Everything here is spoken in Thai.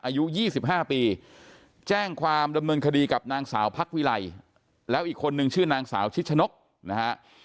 อายุ๒๕ปีแจ้งความดำเนินคดีกับนางสาวพักวิไลแล้วอีกคนนึงชื่อนางสาวชิดชนกนะฮะ